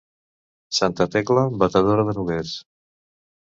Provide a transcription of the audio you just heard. Santa Tecla, batedora de noguers.